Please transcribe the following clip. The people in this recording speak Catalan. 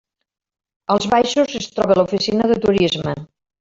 Als baixos es troba l'oficina de turisme.